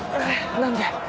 何で？